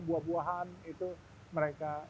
buah buahan itu mereka